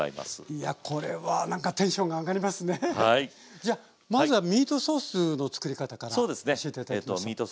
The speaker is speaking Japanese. じゃあまずはミートソースの作り方から教えて頂きましょう。